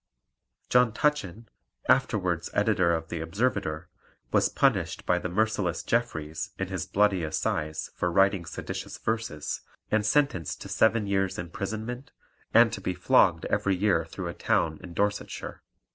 John Tutchin, afterwards editor of the Observator, was punished by the merciless Jeffreys in his Bloody Assize for writing seditious verses, and sentenced to seven years' imprisonment and to be flogged every year through a town in Dorsetshire.